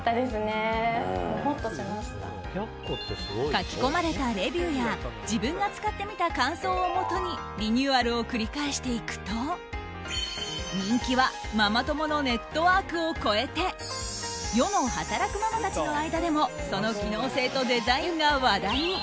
書き込まれたレビューや自分が使ってみた感想をもとにリニューアルを繰り返していくと人気はママ友のネットワークを超えて世の働くママたちの間でもその機能性とデザインが話題に。